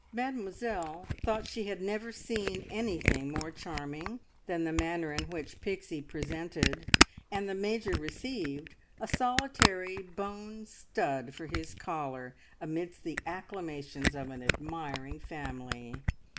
Mademoiselle thought she had never seen anything more charming, than the manner in which Pixie presented, and the Major received, a solitary bone stud for his collar, amidst the acclamations of an admiring family.